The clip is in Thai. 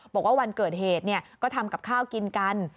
บอกว่าวันเกิดเหตุก็ทำกับข้าวกินกัน